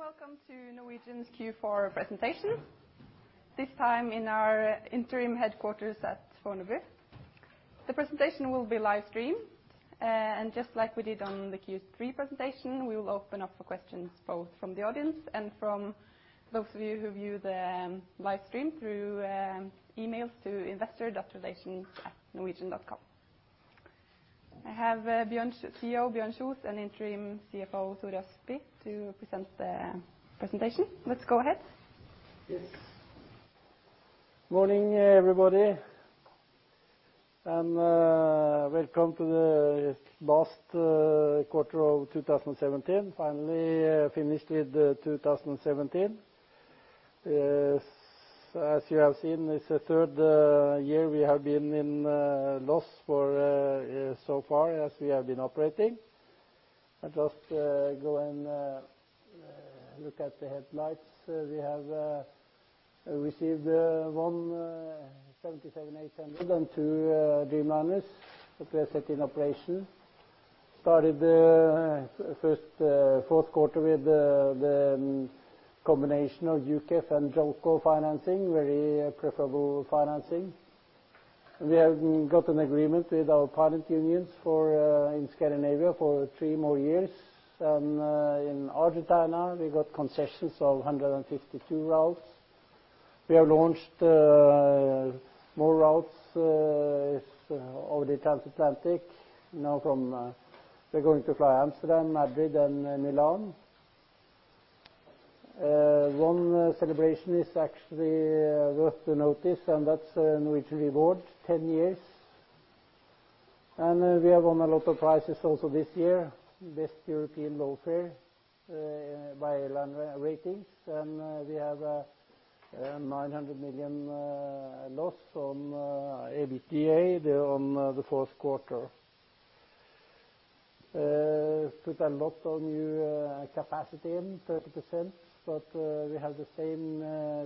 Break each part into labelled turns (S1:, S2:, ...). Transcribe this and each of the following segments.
S1: Welcome to Norwegian's Q4 presentation, this time in our interim headquarters at Fornebu. The presentation will be live-streamed. Just like we did on the Q3 presentation, we will open up for questions both from the audience and from those of you who view the live stream through emails to investor.relations@norwegian.com. I have CEO Bjørn Kjos and interim CFO Tore Østby to present the presentation. Let's go ahead.
S2: Morning, everybody. Welcome to the last quarter of 2017. Finally finished with 2017. As you have seen, it's the third year we have been in loss so far as we have been operating. I'll just go and look at the headlines. We have received one 737-800 and two Dreamliners that we have set in operation. Started the fourth quarter with the combination of UKEF and JOLCO financing, very preferable financing. We have got an agreement with our pilot unions in Scandinavia for three more years. In Argentina, we got concessions of 152 routes. We have launched more routes over the transatlantic. We're going to fly Amsterdam, Madrid, and Milan. One celebration is actually worth to notice. That's Norwegian Reward, 10 years. We have won a lot of prizes also this year. Best Low-Cost Airline in Europe by AirlineRatings.com. We have a 900 million loss on EBITDA on the fourth quarter. Put a lot of new capacity in, 30%. We have the same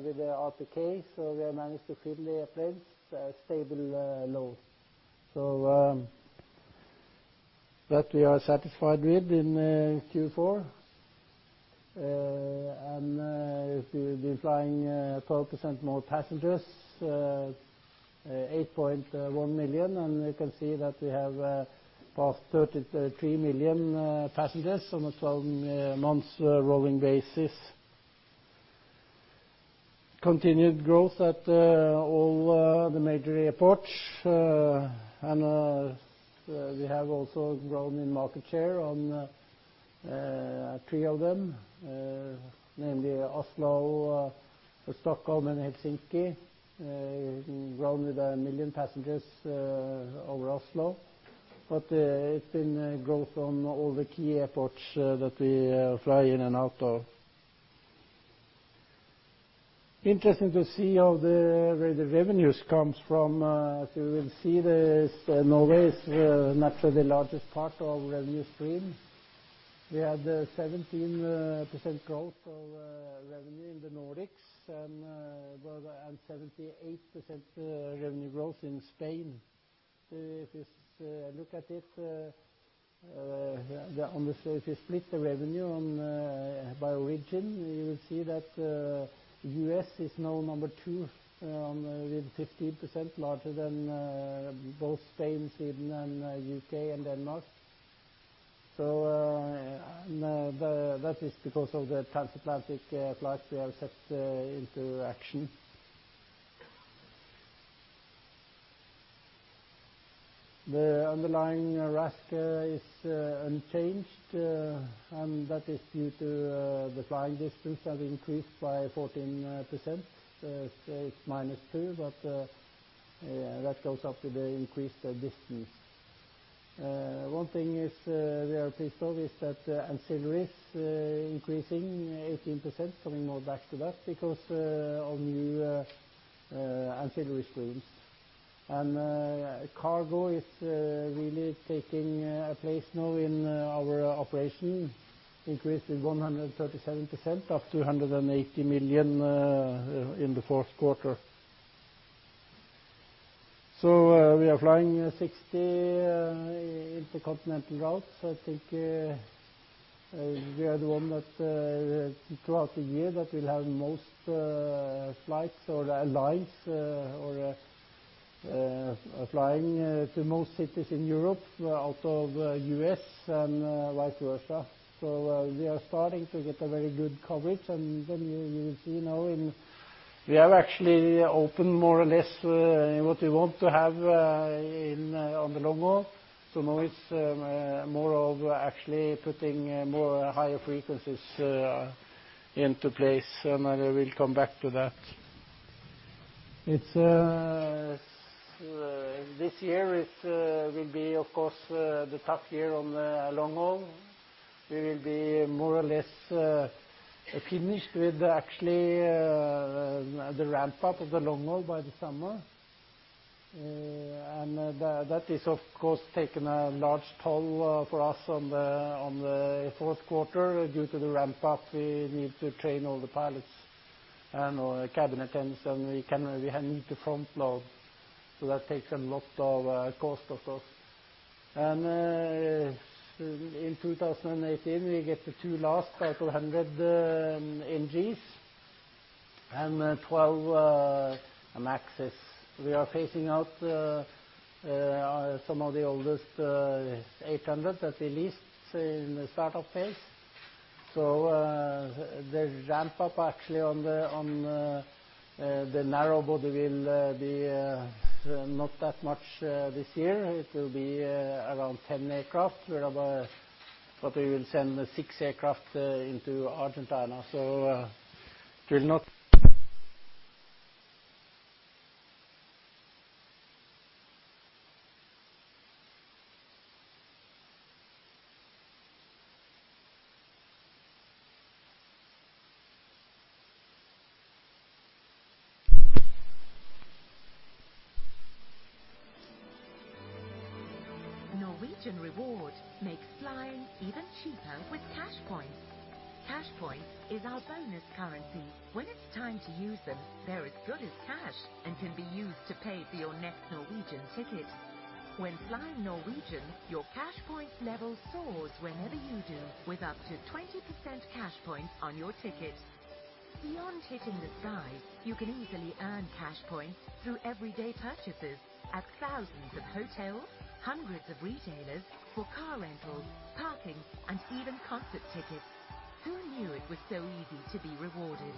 S2: with the RPK. We have managed to fill the airplanes, stable load. That we are satisfied with in Q4. We've been flying 12% more passengers, 8.1 million. You can see that we have passed 33 million passengers on a 12 months rolling basis. Continued growth at all the major airports. We have also grown in market share on three of them, namely Oslo, Stockholm, and Helsinki. Grown with 1 million passengers over Oslo. It's been growth on all the key airports that we fly in and out of. Interesting to see where the revenues come from. As you will see, Norway is naturally the largest part of revenue stream. We had 17% growth of revenue in the Nordics and 78% revenue growth in Spain. If you split the revenue by region, you will see that U.S. is now number two, with 15% larger than both Spain, Sweden, and U.K. and Denmark. That is because of the transatlantic flights we have set into action. The underlying RASK is unchanged. That is due to the flying distance that increased by 14%. It's minus two. That goes up with the increased distance. One thing we are pleased of is that ancillaries increasing 18%, coming more back to that, because of new ancillary streams. Cargo is really taking a place now in our operation. Increase to 137%, up to 180 million in the fourth quarter. We are flying 60 intercontinental routes. I think we are the one that, throughout the year, that will have most flights or alliance or flying to most cities in Europe out of U.S. and vice versa. We are starting to get a very good coverage. We have actually opened more or less what we want to have on the long haul. Now it's more of actually putting more higher frequencies into place. I will come back to that. This year will be, of course, the tough year on the long haul. We will be more or less finished with actually the ramp-up of the long haul by the summer. That has, of course, taken a large toll for us on the fourth quarter. Due to the ramp-up, we need to train all the pilots and our cabin attendants, and we need to front-load. That takes a lot of cost of course. In 2018, we get the two last [total hundred NGs] and 12 MAXes. We are phasing out some of the oldest 800 that we leased in the startup phase. The ramp up actually on the narrow body will be not that much this year. It will be around 10 aircraft, but we will send six aircraft into Argentina.
S3: Norwegian Reward makes flying even cheaper with CashPoints. CashPoints is our bonus currency. When it's time to use them, they're as good as cash and can be used to pay for your next Norwegian ticket. When flying Norwegian, your CashPoints level soars whenever you do, with up to 20% CashPoints on your ticket. Beyond hitting the skies, you can easily earn CashPoints through everyday purchases at thousands of hotels, hundreds of retailers, for car rentals, parking, and even concert tickets. Who knew it was so easy to be rewarded?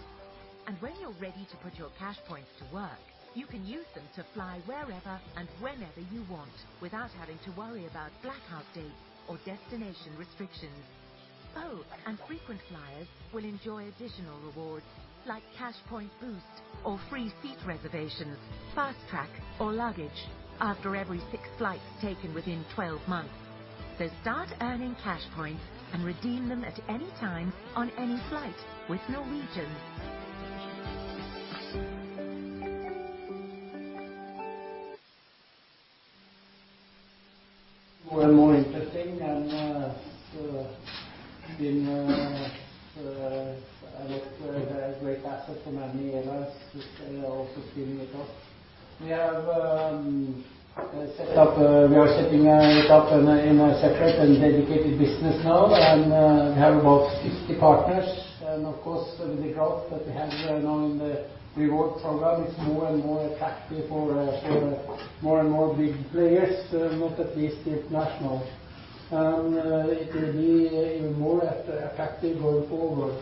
S3: When you're ready to put your CashPoints to work, you can use them to fly wherever and whenever you want without having to worry about blackout dates or destination restrictions. Frequent flyers will enjoy additional rewards like CashPoint boost or free seat reservations, fast track or luggage after every six flights taken within 12 months. Start earning CashPoints and redeem them at any time on any flight with Norwegian.
S2: More and more interesting and been a great asset for many airlines since they are also scaling it up. We are setting it up in a separate and dedicated business now. We have about 50 partners. Of course, the growth that we have now in the Norwegian Reward program is more and more attractive for more and more big players, not at least international. It will be even more effective going forward.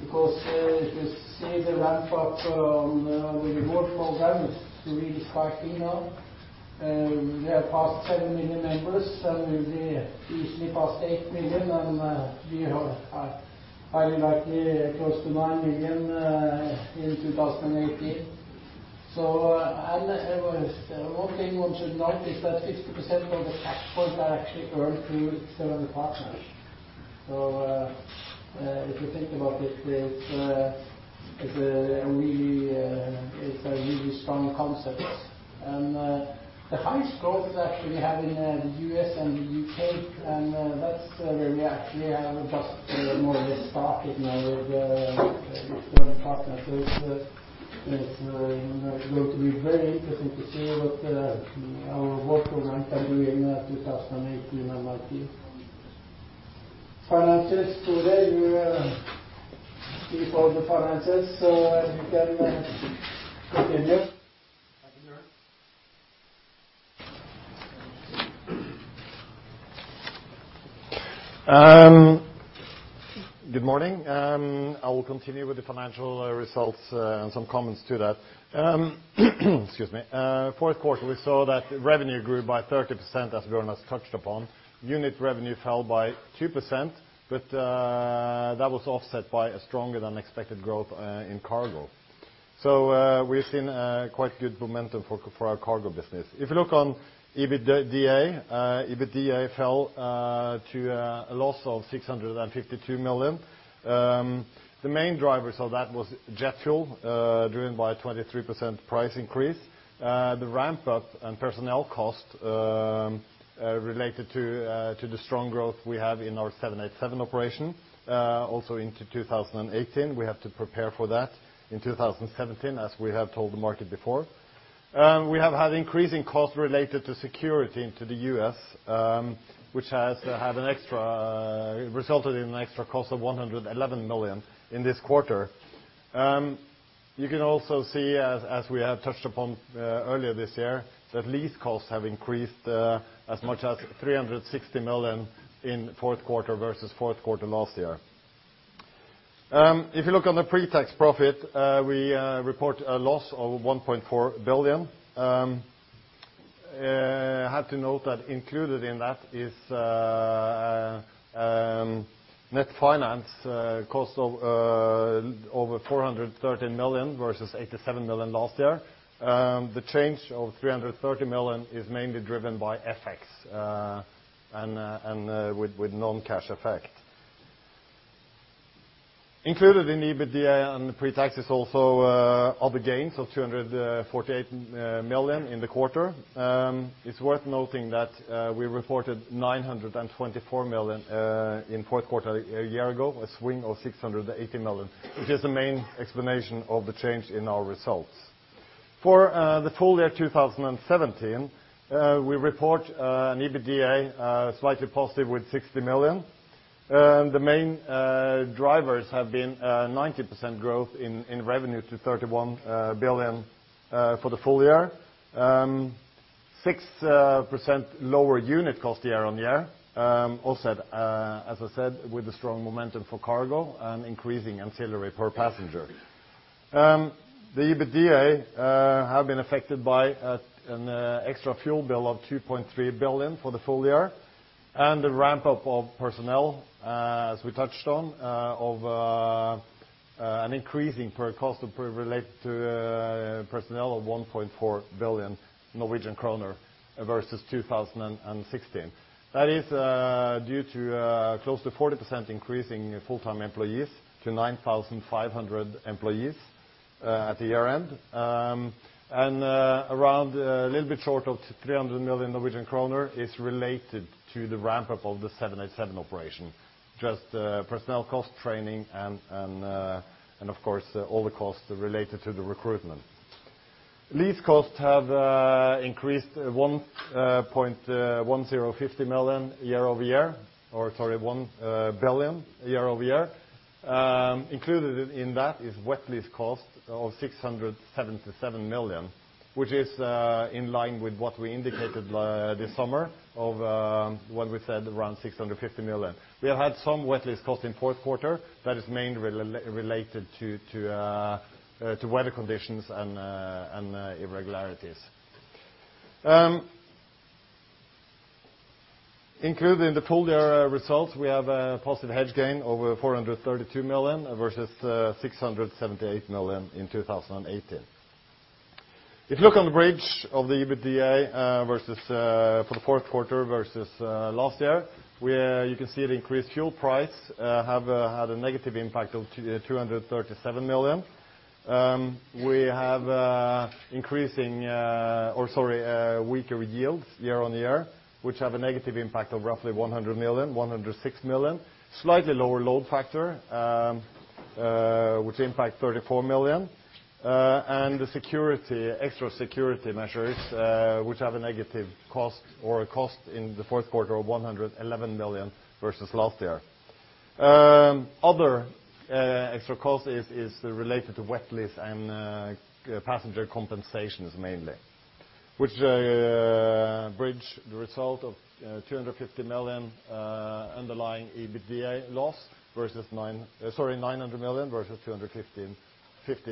S2: If you see the ramp up on the Norwegian Reward program, it's really spiking now. We have passed 7 million members, and we'll be easily past 8 million, and we are highly likely close to 9 million in 2018. One thing one should note is that 50% of the CashPoints are actually earned through the partners. If you think about it's a really strong concept. The highest growth is actually we have in the U.S. and the U.K. That's where we actually have just more or less started now with certain partners. It's going to be very interesting to see what our Norwegian Reward program can do in 2018 and beyond. Finances. Today, we call the finances. You can continue.
S1: Thank you, Bjørn. Good morning. I will continue with the financial results and some comments to that. Excuse me. Fourth quarter, we saw that revenue grew by 30%, as Bjørn has touched upon. Unit revenue fell by 2%. That was offset by a stronger than expected growth in cargo. We've seen quite good momentum for our cargo business. If you look on EBITDA. EBITDA fell to a loss of 652 million. The main drivers of that was jet fuel, driven by a 23% price increase. The ramp up and personnel cost related to the strong growth we have in our 787 operation. Also into 2018. We have to prepare for that in 2017, as we have told the market before. We have had increasing costs related to security into the U.S., which has had an extra resulted in an extra cost of 111 million in this quarter. You can also see, as we have touched upon earlier this year, that lease costs have increased as much as 360 million in fourth quarter versus fourth quarter last year. If you look on the pre-tax profit, we report a loss of 1.4 billion. I have to note that included in that is net finance cost of over 430 million versus 87 million last year. The change of 330 million is mainly driven by FX and with non-cash effect. Included in EBITDA and the pre-tax is also other gains of 248 million in the quarter. It's worth noting that we reported 924 million in fourth quarter a year ago, a swing of 680 million, which is the main explanation of the change in our results. For the full year 2017, we report an EBITDA slightly positive with 60 million. The main drivers have been a 19% growth in revenue to 31 billion for the full year. 6% lower unit cost year-on-year, also, as I said, with the strong momentum for cargo and increasing ancillary per passenger. The EBITDA have been affected by an extra fuel bill of 2.3 billion for the full year and a ramp-up of personnel, as we touched on, of an increasing per cost related to personnel of 1.4 billion Norwegian kroner versus 2016. That is due to close to 40% increase in full-time employees to 9,500 employees at the year-end. Around a little bit short of 300 million Norwegian kroner is related to the ramp-up of the 787 operation. Just personnel cost training and of course, all the costs related to the recruitment. Lease costs have increased 1,150 million year-over-year, or sorry, 1 billion year-over-year. Included in that is wet lease cost of 677 million, which is in line with what we indicated this summer of what we said, around 650 million. We have had some wet lease cost in fourth quarter that is mainly related to weather conditions and irregularities. Included in the full year results, we have a positive hedge gain over 432 million versus 678 million in 2016. If you look on the bridge of the EBITDA for the fourth quarter versus last year, you can see the increased fuel price have had a negative impact of 237 million. We have weaker yields year-on-year, which have a negative impact of roughly 100 million, 106 million. Slightly lower load factor which impact 34 million. The extra security measures, which have a negative cost or a cost in the fourth quarter of 111 million versus last year. Other extra cost is related to wet lease and passenger compensations mainly, which bridge the result of 250 million underlying EBITDA loss versus 900 million versus 250 a year ago. If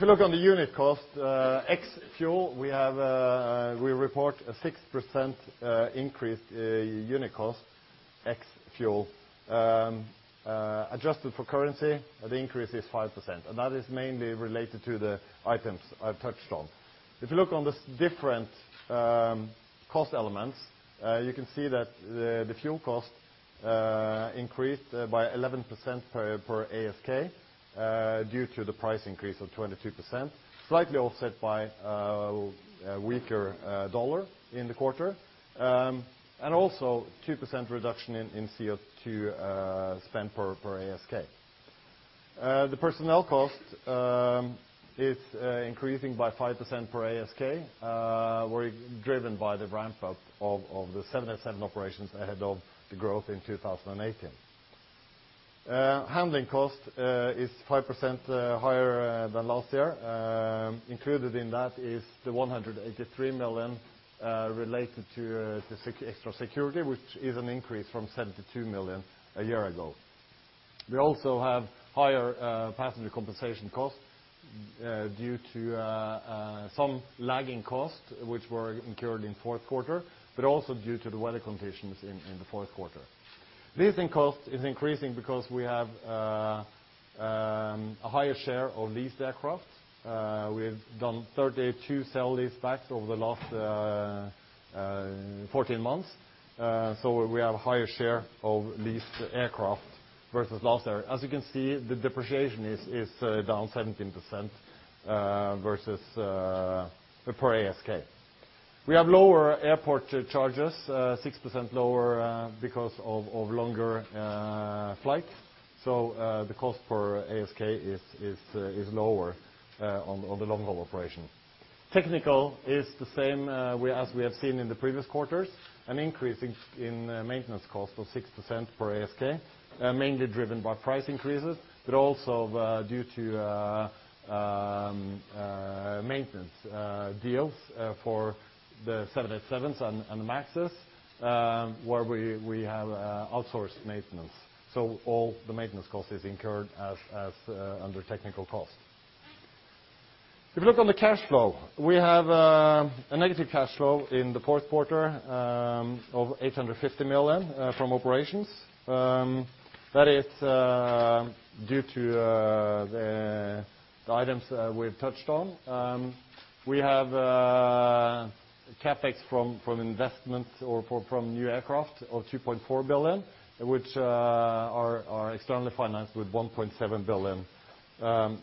S1: you look on the unit cost ex-fuel, we report a 6% increase unit cost ex-fuel. Adjusted for currency, the increase is 5%, that is mainly related to the items I've touched on. If you look on the different cost elements, you can see that the fuel cost increased by 11% per ASK due to the price increase of 22%, slightly offset by a weaker dollar in the quarter. Also 2% reduction in CO2 spend per ASK. The personnel cost is increasing by 5% per ASK, driven by the ramp-up of the 787 operations ahead of the growth in 2016. Handling cost is 5% higher than last year. Included in that is the 183 million related to the extra security, which is an increase from 72 million a year ago. We also have higher passenger compensation costs due to some lagging costs, which were incurred in fourth quarter, but also due to the weather conditions in the fourth quarter. Leasing cost is increasing because we have a higher share of leased aircraft. We've done 32 sale-leasebacks over the last 14 months. We have a higher share of leased aircraft versus last year. As you can see, the depreciation is down 17% per ASK. We have lower airport charges, 6% lower because of longer flights. The cost per ASK is lower on the long-haul operation. Technical is the same as we have seen in the previous quarters. An increase in maintenance cost of 6% per ASK, mainly driven by price increases, but also due to maintenance deals for the 787s and the MAXes where we have outsourced maintenance. All the maintenance cost is incurred under technical costs. If you look on the cash flow, we have a negative cash flow in the fourth quarter of 850 million from operations. That is due to the items we've touched on. CapEx from investments or from new aircraft of 2.4 billion, which are externally financed with 1.7 billion,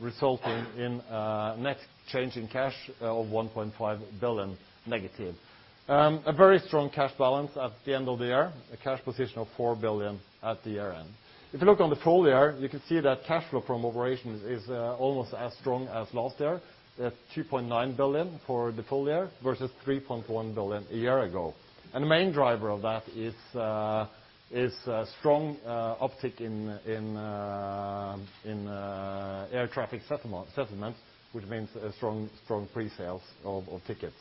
S1: resulting in a net change in cash of 1.5 billion negative. A very strong cash balance at the end of the year, a cash position of 4 billion at the year-end. If you look on the full year, you can see that cash flow from operations is almost as strong as last year, at 2.9 billion for the full year versus 3.1 billion a year ago. The main driver of that is a strong uptick in air traffic settlement, which means strong pre-sales of tickets.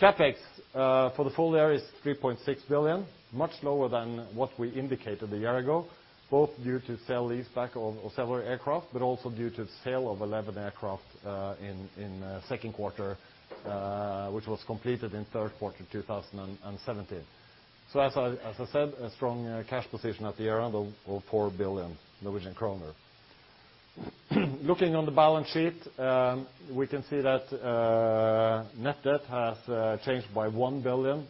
S1: CapEx for the full year is 3.6 billion, much lower than what we indicated a year ago, both due to sale leaseback of several aircraft, but also due to the sale of 11 aircraft in the second quarter, which was completed in third quarter 2017. As I said, a strong cash position at the year-end of 4 billion. Looking on the balance sheet, we can see that net debt has changed by 1 billion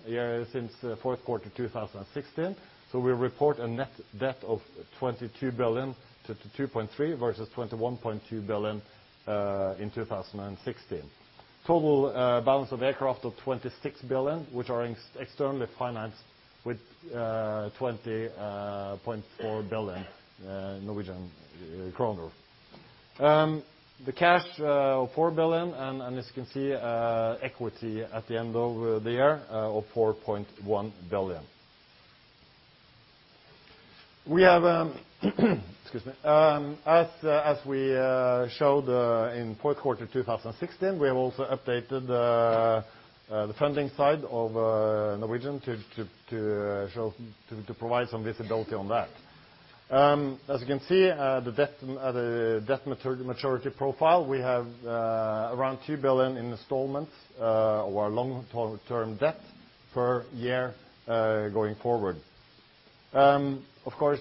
S1: since fourth quarter 2016. We report a net debt of 22.3 billion versus 21.2 billion in 2016. Total balance of aircraft of 26 billion, which are externally financed with 20.4 billion Norwegian kroner. The cash of 4 billion, and as you can see, equity at the end of the year of 4.1 billion. As we showed in fourth quarter 2016, we have also updated the funding side of Norwegian to provide some visibility on that. As you can see, the debt maturity profile, we have around 2 billion in installments of our long-term debt per year going forward. Of course,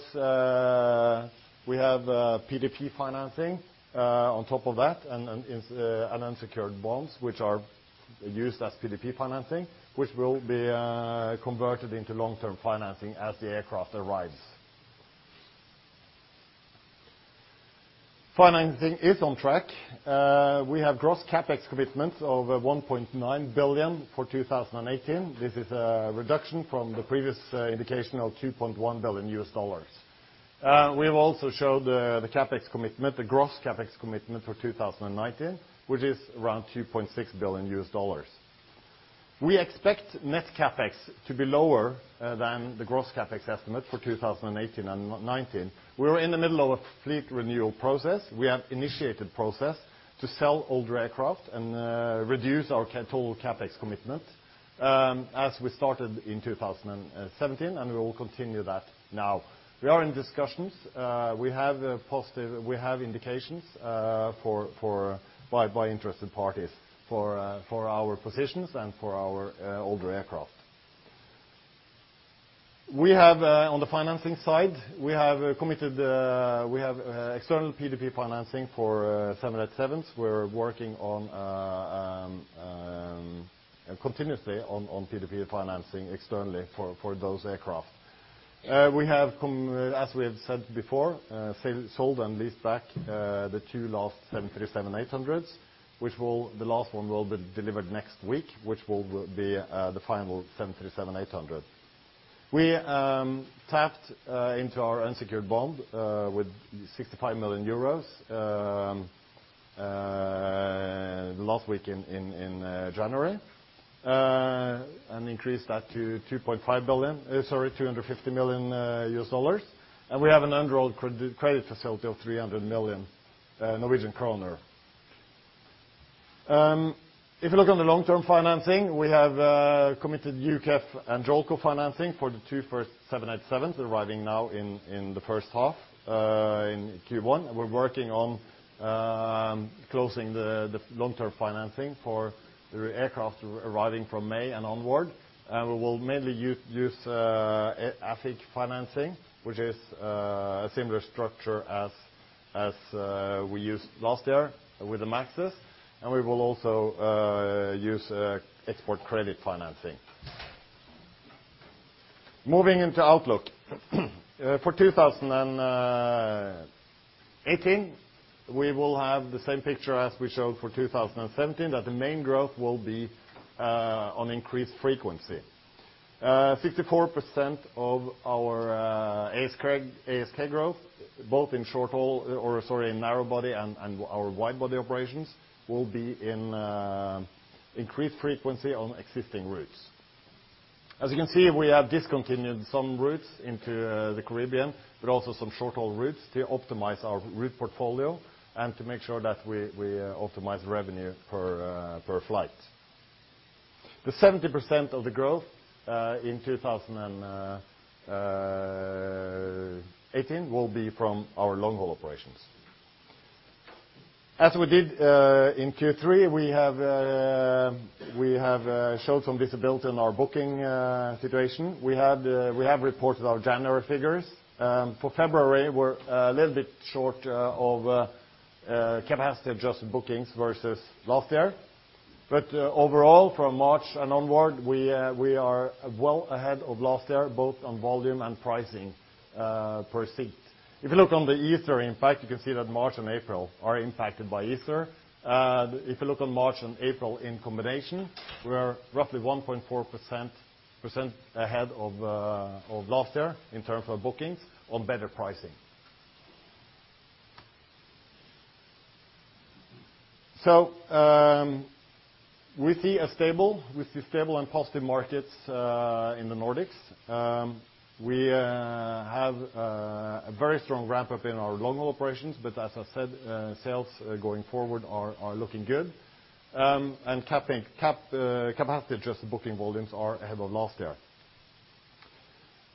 S1: we have PDP financing on top of that and unsecured bonds, which are used as PDP financing, which will be converted into long-term financing as the aircraft arrives. Financing is on track. We have gross CapEx commitments of $1.9 billion for 2018. This is a reduction from the previous indication of $2.1 billion. We have also showed the gross CapEx commitment for 2019, which is around $2.6 billion. We expect net CapEx to be lower than the gross CapEx estimate for 2018 and 2019. We are in the middle of a fleet renewal process. We have initiated process to sell older aircraft and reduce our total CapEx commitment as we started in 2017, and we will continue that now. We are in discussions. We have indications by interested parties for our positions and for our older aircraft. On the financing side, we have external PDP financing for 787s. We're working continuously on PDP financing externally for those aircraft. We have, as we have said before, sold and leased back the two last 737-800s. The last one will be delivered next week, which will be the final 737-800. We tapped into our unsecured bond with 65 million euros last week in January and increased that to $250 million. We have an undrawn credit facility of 300 million Norwegian kroner. If you look on the long-term financing, we have committed UKEF and JOLCO financing for the two first 787s arriving now in the first half in Q1. We're working on closing the long-term financing for the aircraft arriving from May and onward. We will mainly use AFIC financing, which is a similar structure as we used last year with the MAXs. We will also use export credit financing. Moving into outlook. For 2018, we will have the same picture as we showed for 2017, that the main growth will be on increased frequency. 64% of our ASK growth, both in narrow-body and our wide-body operations, will be in increased frequency on existing routes. As you can see, we have discontinued some routes into the Caribbean, but also some short-haul routes to optimize our route portfolio and to make sure that we optimize revenue per flight. 70% of the growth in 2018 will be from our long-haul operations. As we did in Q3, we have showed some visibility in our booking situation. We have reported our January figures. For February, we're a little bit short of capacity adjusted bookings versus last year. Overall, from March and onward, we are well ahead of last year, both on volume and pricing per seat. If you look on the Easter impact, you can see that March and April are impacted by Easter. If you look on March and April in combination, we are roughly 1.4% ahead of last year in terms of bookings on better pricing. We see stable and positive markets in the Nordics. We have a very strong ramp-up in our long-haul operations. As I said, sales going forward are looking good. Capacity adjusted booking volumes are ahead of last year.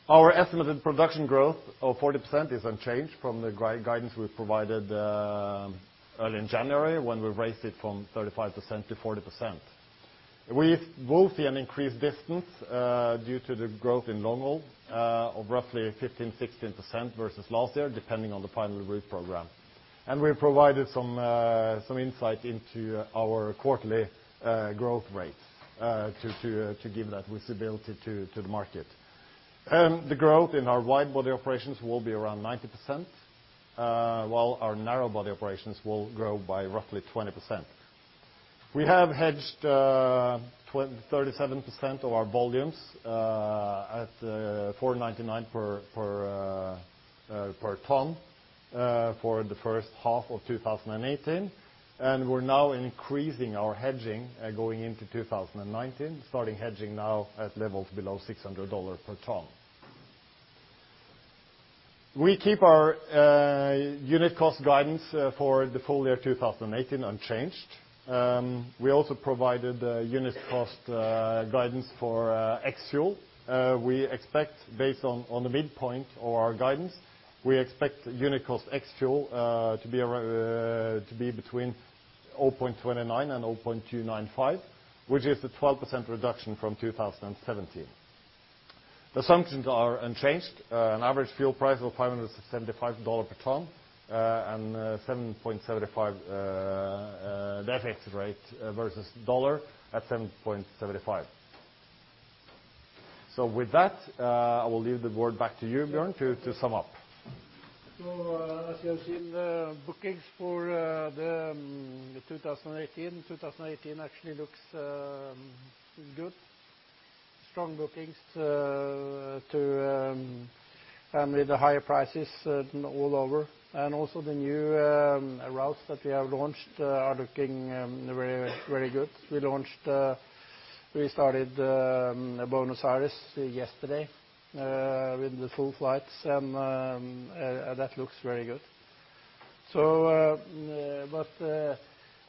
S1: Our estimated production growth of 40% is unchanged from the guidance we provided early in January, when we raised it from 35% to 40%. We will see an increased distance due to the growth in long-haul of roughly 15%, 16% versus last year, depending on the final route program. We've provided some insight into our quarterly growth rates to give that visibility to the market. The growth in our wide-body operations will be around 90%, while our narrow-body operations will grow by roughly 20%. We have hedged 37% of our volumes at $499 per ton for the first half of 2018. We're now increasing our hedging going into 2019, starting hedging now at levels below $600 per ton. We keep our unit cost guidance for the full year 2018 unchanged. We also provided unit cost guidance for ex-fuel. Based on the midpoint of our guidance, we expect unit cost ex-fuel to be between $0.29 and $0.295, which is a 12% reduction from 2017. Assumptions are unchanged. An average fuel price of $575 per ton and 7.75 FX rate versus dollar at 7.75. With that, I will leave the board back to you, Bjørn, to sum up.
S2: As you have seen, the bookings for 2018. 2018 actually looks good. Strong bookings to family, the higher prices all over. Also the new routes that we have launched are looking very good. We started Buenos Aires yesterday with the full flights, that looks very good.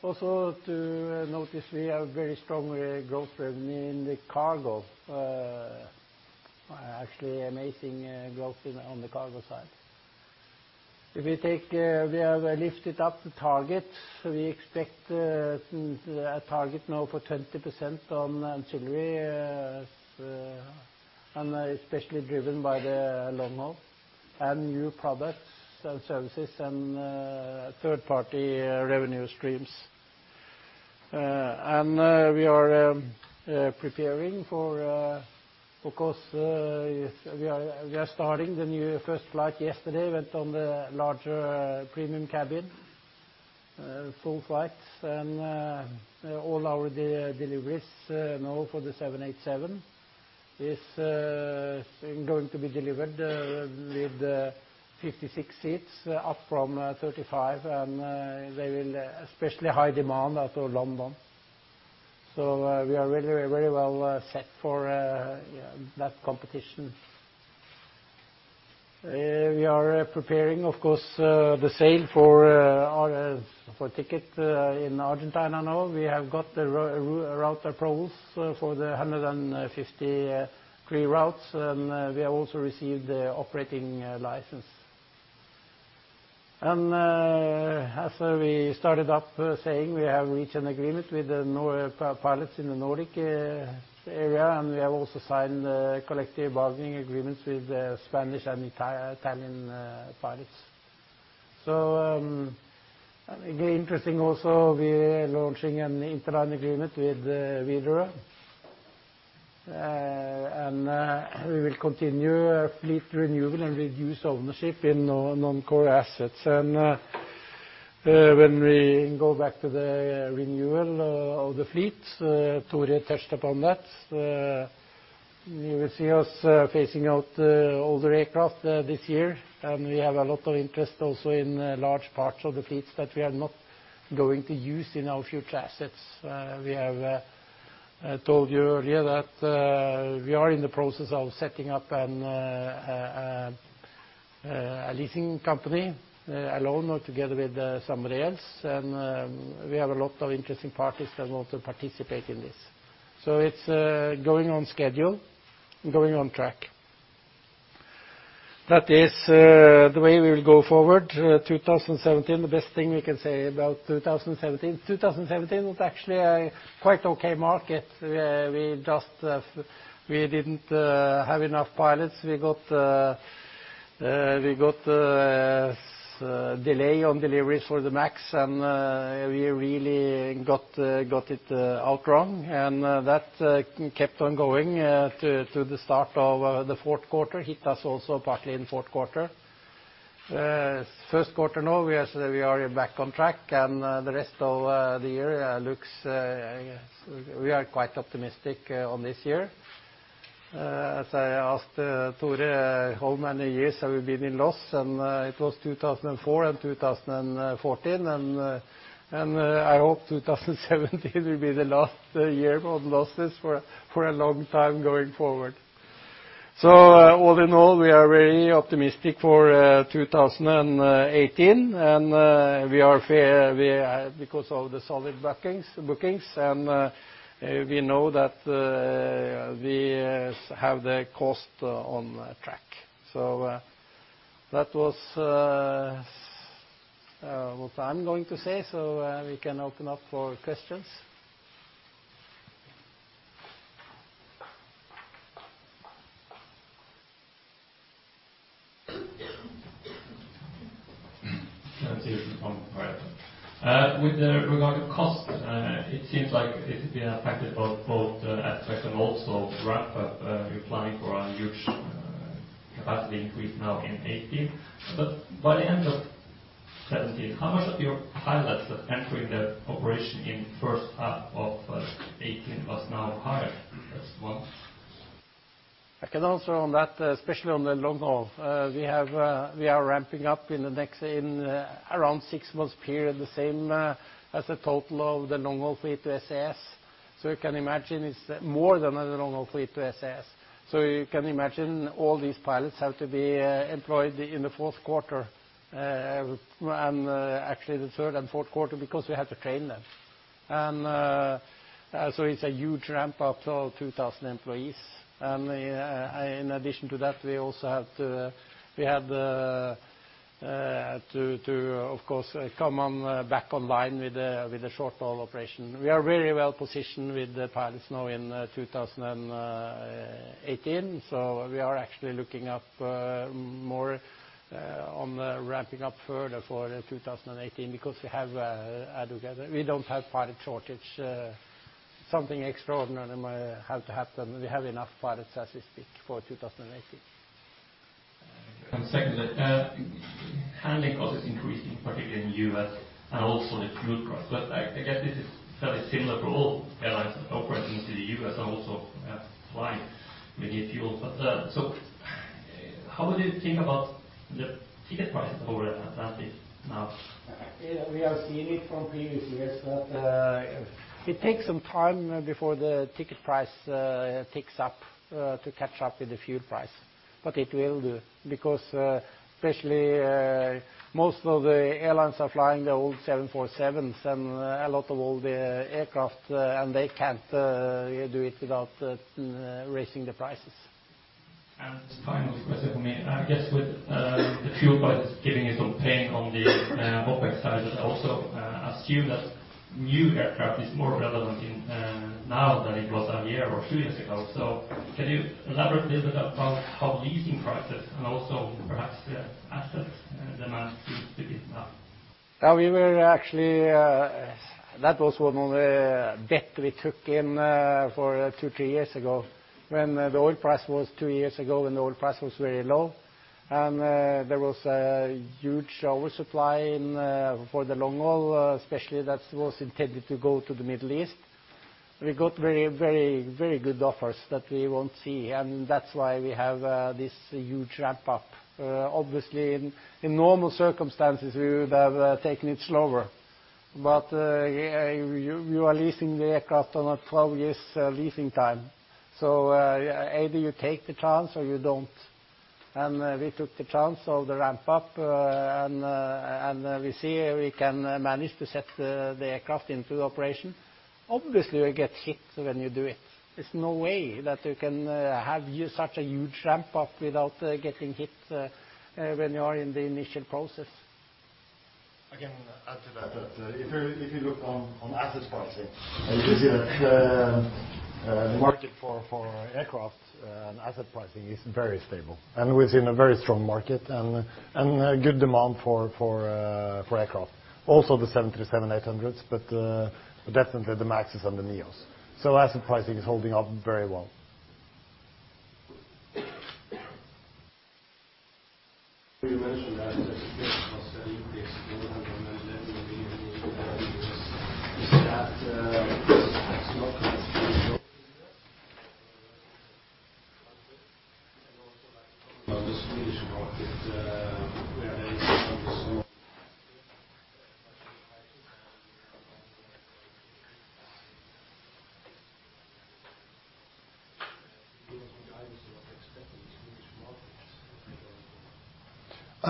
S2: Also to notice, we have very strong growth in the cargo. Actually, amazing growth on the cargo side. We have lifted up the target. We expect a target now for 20% on ancillary, especially driven by the long-haul and new products and services and third-party revenue streams. We are preparing for, of course, we are starting the new first flight yesterday, went on the larger premium cabin. Full flights. All our deliveries now for the 787 is going to be delivered with 56 seats, up from 35. They're in especially high demand out of London. We are very well set for that competition. We are preparing, of course, the sale for ticket in Argentina now. We have got the route approvals for the 153 routes, we have also received the operating license. As we started up saying, we have reached an agreement with the pilots in the Nordic area, we have also signed collective bargaining agreements with Spanish and Italian pilots. Again, interesting also, we are launching an interline agreement with Widerøe. We will continue fleet renewal and reduce ownership in non-core assets. When we go back to the renewal of the fleet, Tore touched upon that. You will see us phasing out older aircraft this year. We have a lot of interest also in large parts of the fleets that we are not going to use in our future assets. We have told you earlier that we are in the process of setting up a leasing company alone or together with somebody else. We have a lot of interesting parties that want to participate in this. It's going on schedule and going on track. That is the way we will go forward. 2017, the best thing we can say about 2017. 2017 was actually a quite okay market. We didn't have enough pilots. We got delay on deliveries for the MAX, we really got it out wrong. That kept on going to the start of the fourth quarter, hit us also partly in fourth quarter. First quarter, now we are back on track, the rest of the year, we are quite optimistic on this year. As I asked Tore, how many years have we been in loss? It was 2004 and 2014, I hope 2017 will be the last year of losses for a long time going forward. All in all, we are very optimistic for 2018. Because of the solid bookings, we know that we have the cost on track. That was what I'm going to say. We can open up for questions.
S4: Can I do one? All right. With regard to cost, it seems like it has been affected by both aspects and also ramp up. You're planning for a huge capacity increase now in 2018. By the end of 2017, how much of your pilots are entering the operation in first half of 2018 was now hired as well?
S2: I can answer on that, especially on the long haul. We are ramping up in around six months period, the same as the total of the long-haul fleet to SAS. You can imagine it's more than the long-haul fleet to SAS. You can imagine all these pilots have to be employed in the fourth quarter. Actually, the third and fourth quarter, because we have to train them. It's a huge ramp-up of 2,000 employees. In addition to that, we had to, of course, come back online with the short-haul operation. We are very well positioned with the pilots now in 2018. We are actually looking up more on the ramping up further for 2018 because we don't have pilot shortage. Something extraordinary might have to happen. We have enough pilots as we speak for 2018.
S4: Secondly, handling cost is increasing, particularly in the U.S. and also the fuel price. I guess this is fairly similar for all airlines operating to the U.S. and also have to fly. We need fuel. How do you think about the ticket prices over at Atlantic now?
S2: We have seen it from previous years, it takes some time before the ticket price ticks up to catch up with the fuel price. It will do because especially most of the airlines are flying the old 747 and a lot of old aircraft, and they can't do it without raising the prices.
S4: Final question from me. I guess with the fuel price giving you some pain on the OpEx side, also assume that new aircraft is more relevant now than it was a year or two years ago. Can you elaborate a little bit about how leasing prices and also perhaps the asset demand seems to be now?
S2: That was one of the bets we took in for two, three years ago when the oil price was very low. There was a huge oversupply for the long haul, especially that was intended to go to the Middle East. We got very good offers that we will not see, and that is why we have this huge ramp up. Obviously, in normal circumstances, we would have taken it slower. You are leasing the aircraft on a 12 years leasing time. Either you take the chance or you do not. We took the chance of the ramp up, and we see we can manage to set the aircraft into operation. Obviously, you get hit when you do it. There is no way that you can have such a huge ramp up without getting hit when you are in the initial process.
S1: I can add to that. If you look on asset pricing, you can see that the market for aircraft and asset pricing is very stable and within a very strong market and good demand for aircraft. Also the 737-800s, definitely the MAXs and the neo. Asset pricing is holding up very well.
S4: You mentioned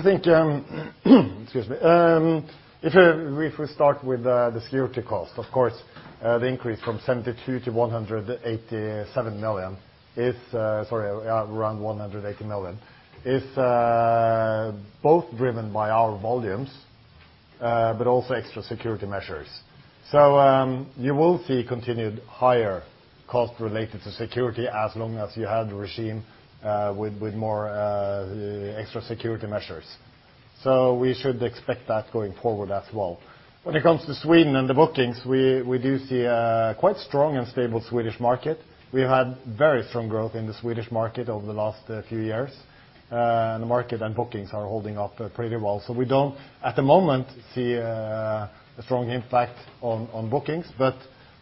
S4: that cost increase more than. [inaudible] Also like on the Swedish market, where what they are expecting in the Swedish markets.
S1: Excuse me. If we start with the security cost, of course, the increase from 72 million to 187 million is, sorry, around 180 million, is both driven by our volumes. Also extra security measures. You will see continued higher costs related to security as long as you have the regime with more extra security measures. We should expect that going forward as well. When it comes to Sweden and the bookings, we do see a quite strong and stable Swedish market. We have had very strong growth in the Swedish market over the last few years. The market and bookings are holding up pretty well. We don't, at the moment, see a strong impact on bookings, but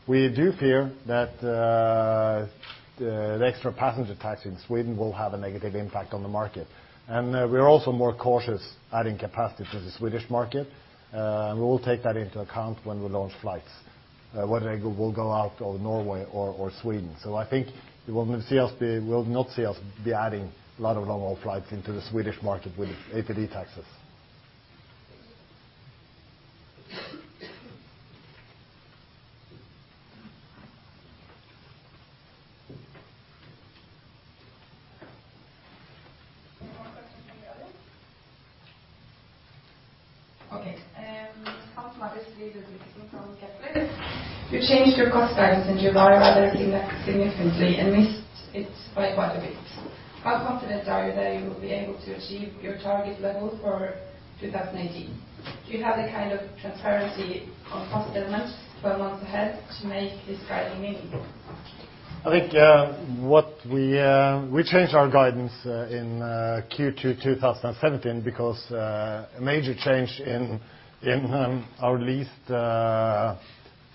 S1: we do fear that the extra passenger tax in Sweden will have a negative impact on the market. We're also more cautious adding capacity to the Swedish market. We will take that into account when we launch flights, whether they will go out of Norway or Sweden. I think you will not see us be adding a lot of long-haul flights into the Swedish market with APD taxes.
S5: Okay. [Anne-Margrethe Skari, DNB Markets]. You changed your cost guidance and you lowered that significantly and missed it by quite a bit. How confident are you that you will be able to achieve your target level for 2018? Do you have the kind of transparency on cost elements 12 months ahead to make this guiding meaningful?
S1: We changed our guidance in Q2 2017 because a major change in our leased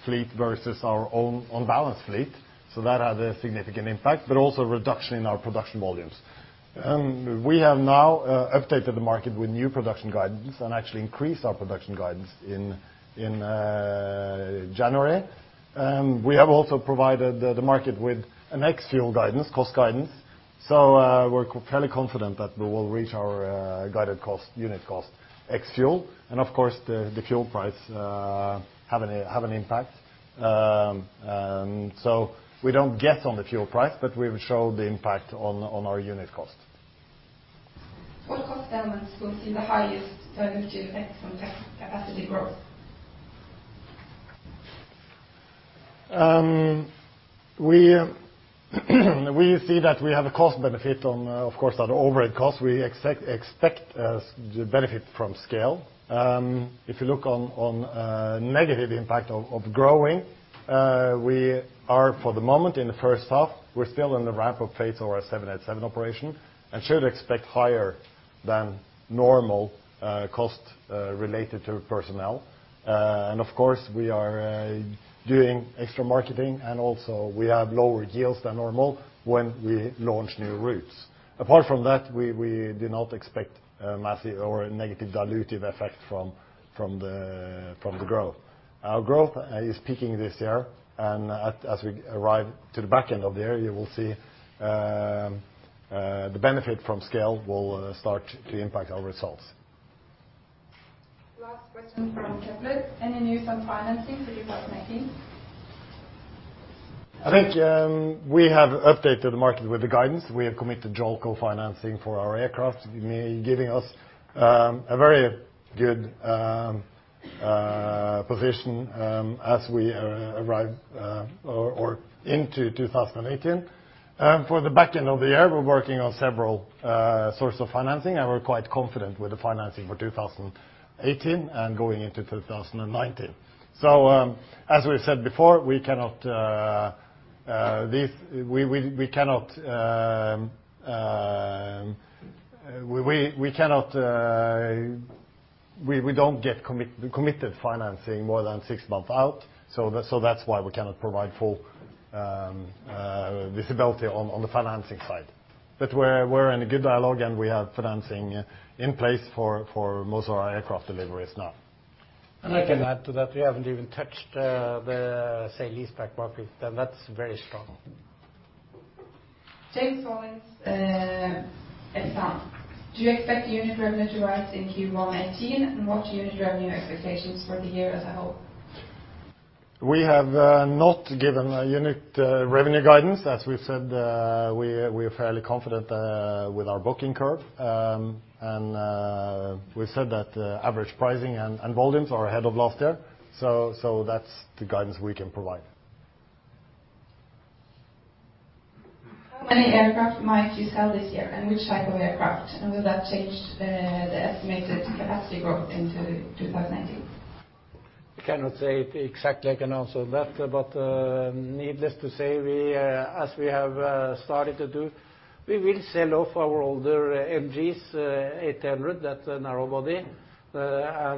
S1: fleet versus our own on-balance fleet. That had a significant impact, but also a reduction in our production volumes. We have now updated the market with new production guidance and actually increased our production guidance in January. We have also provided the market with an ex-fuel guidance, cost guidance. We're fairly confident that we will reach our guided unit cost ex-fuel. Of course, the fuel price have an impact. We don't guess on the fuel price, but we show the impact on our unit cost.
S5: What cost elements will see the highest dilutive effect on capacity growth?
S1: We see that we have a cost benefit on, of course, our overhead costs. We expect the benefit from scale. If you look on negative impact of growing, we are for the moment in the first half. We're still in the ramp-up phase of our 787 operation and should expect higher than normal cost related to personnel. Of course, we are doing extra marketing and also we have lower yields than normal when we launch new routes. Apart from that, we do not expect a massive or a negative dilutive effect from the growth. Our growth is peaking this year, and as we arrive to the back end of the year, you will see the benefit from scale will start to impact our results.
S5: Last question from Caplet. Any news on financing for 2019?
S1: I think we have updated the market with the guidance. We have committed JOLCO financing for our aircraft, giving us a very good position as we arrive into 2018. For the back end of the year, we're working on several sources of financing. We're quite confident with the financing for 2018 and going into 2019. As we said before, we don't get committed financing more than six months out. That's why we cannot provide full visibility on the financing side. We're in a good dialogue, and we have financing in place for most of our aircraft deliveries now.
S2: I can add to that, we haven't even touched the sale leaseback market, and that's very strong.
S6: James Hollins, Exane. Do you expect unit revenue to rise in Q1 2018, and what are unit revenue expectations for the year as a whole?
S1: We have not given a unit revenue guidance. As we've said, we are fairly confident with our booking curve. We've said that average pricing and volumes are ahead of last year. That's the guidance we can provide.
S6: How many aircraft might you sell this year, and which type of aircraft? Will that change the estimated capacity growth into 2019?
S2: I cannot say exactly I can answer that. Needless to say, as we have started to do, we will sell off our older NG 800, that's a narrow body. The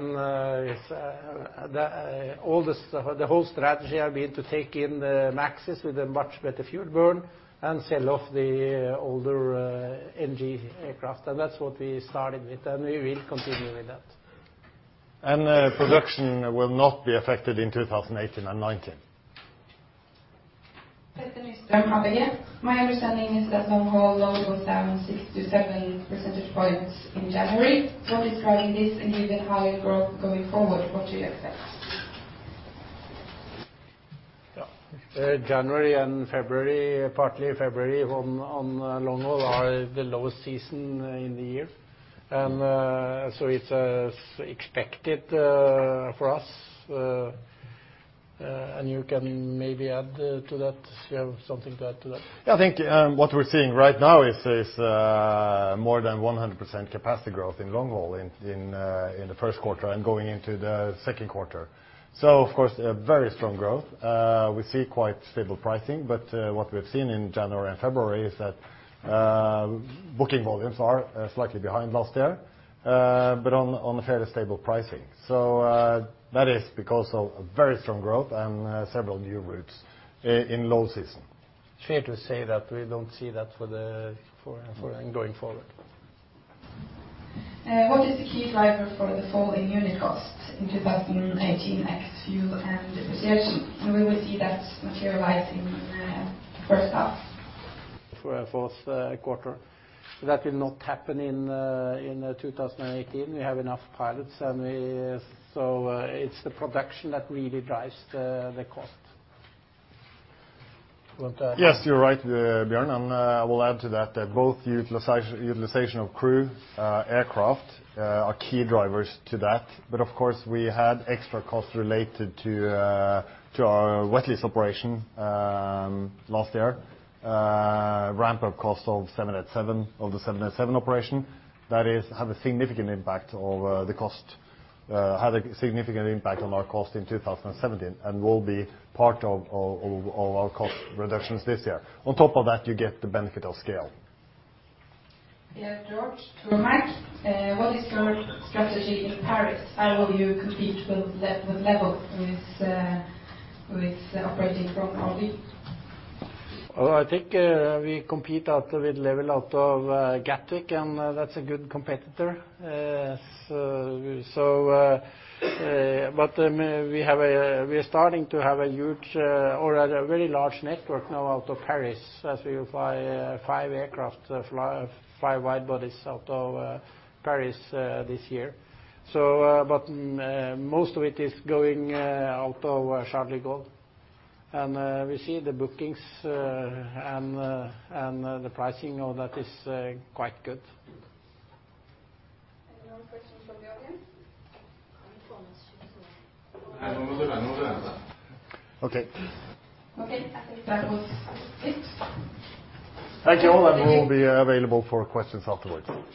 S2: whole strategy have been to take in the MAXs with a much better fuel burn and sell off the older NG aircraft. That's what we started with, and we will continue with that.
S1: Production will not be affected in 2018 and 2019.
S4: Petter Nystrøm, ABG. My understanding is that long-haul load was down six to seven percentage points in January. What is driving this, and given higher growth going forward, what do you expect?
S2: Yeah. January and February, partly February on long-haul are the lowest season in the year. So it's expected for us, you can maybe add to that if you have something to add to that.
S1: What we're seeing right now is more than 100% capacity growth in long-haul in the first quarter and going into the second quarter. Of course, a very strong growth. We see quite stable pricing, what we've seen in January and February is that booking volumes are slightly behind last year, but on fairly stable pricing. That is because of very strong growth and several new routes in low season.
S2: Fair to say that we don't see that going forward.
S4: What is the key driver for the fall in unit costs in 2018 ex fuel and depreciation? We will see that materialize in the first half.
S2: For a fourth quarter. That will not happen in 2018. We have enough pilots, it's the production that really drives the cost.
S1: Yes, you're right, Bjørn, I will add to that. Both utilization of crew, aircraft, are key drivers to that. Of course, we had extra costs related to our wet lease operation last year. Ramp-up cost of the 787 operation had a significant impact on our cost in 2017 and will be part of our cost reductions this year. On top of that, you get the benefit of scale.
S7: Yeah, George. To [remind]. What is your strategy in Paris? How will you compete with Level who is operating from Orly?
S2: Well, I think we compete out with Level out of Gatwick, That's a good competitor. We are starting to have a huge or a very large network now out of Paris as we fly five aircraft, five wide-bodies out of Paris this year. Most of it is going out of Charles de Gaulle. We see the bookings and the pricing of that is quite good.
S1: Any more questions for Bjørn? Okay. Okay, I think that was it. Thank you all, and we'll be available for questions afterwards.